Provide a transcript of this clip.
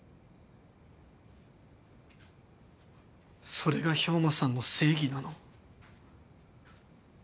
それが兵馬さんの正義なの？